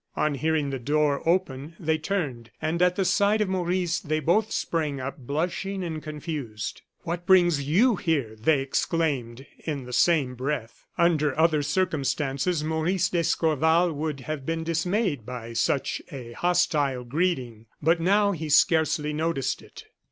On hearing the door open, they turned; and at the sight of Maurice, they both sprang up, blushing and confused. "What brings you here?" they exclaimed in the same breath. Under other circumstances, Maurice d'Escorval would have been dismayed by such a hostile greeting, but now he scarcely noticed it.